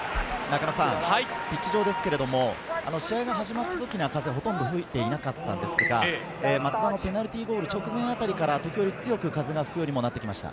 ピッチ上ですけれども、試合が始まったときには風ほとんど吹いていなかったんですが、松田のペナルティーゴール直前あたりから時折強く風が吹くようになってきました。